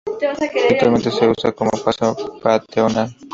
Actualmente se usa como paseo peatonal.